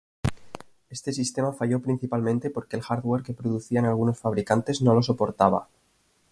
Este sistema falló principalmente porque el hardware que producían algunos fabricantes no lo soportaba.